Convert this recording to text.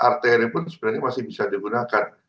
arteri pun sebenarnya masih bisa digunakan